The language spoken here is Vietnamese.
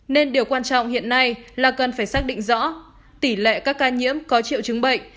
nên điều quan trọng hiện nay là cần phải xác định rõ tỷ lệ các ca nhiễm có triệu chứng bệnh